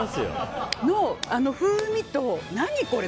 あの風味と、何これ？